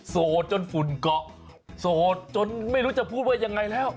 โสดจนฝุ่นเกาะโสดจนไม่รู้จะพูดว่ายังไงแล้ว